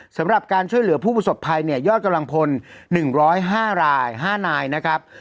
สำหรับการช่วยเหลือผู้ปศพภัยเนี่ยยอดกำลังพลหนึ่งร้อยห้ารายห้านายนะครับ